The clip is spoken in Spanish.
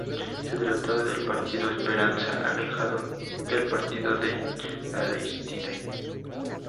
Se trató del Partido Esperanza, alejado del partido de Aristide.